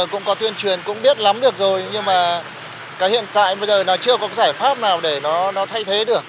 cũng có tuyên truyền cũng biết lắm được rồi nhưng mà cái hiện tại bây giờ nó chưa có giải pháp nào để nó thay thế được